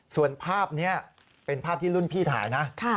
ส่วนภาพนี้เป็นภาพที่รุ่นพี่ถ่ายนะ